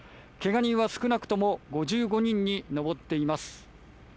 怪我人は少なくとも５５人に上っています。